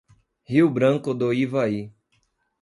Rio Branco do Ivaí